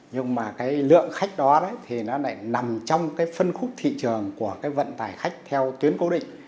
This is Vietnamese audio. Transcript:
nhưng mà lượng khách đó thì nó lại nằm trong phân khúc thị trường của vận tải khách theo tuyến cố định